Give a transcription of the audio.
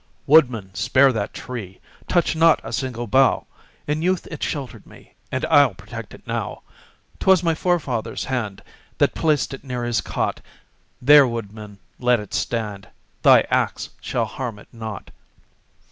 Woodman, spare that tree! Touch not a single bough! In youth it sheltered me, And I'll protect it now. 'T was my forefather's hand That placed it near his cot; There, woodman, let it stand. Thy ax shall harm it not!